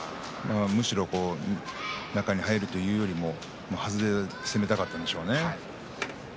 むしろ中に入るというよりははずで攻めたかったんでしょうね